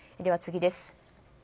では、次です。